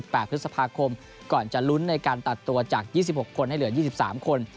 ๒๘พฤษภาคมก่อนจะลุ้นในการตัดตัวจาก๒๖คนให้เหลือ๒๓คน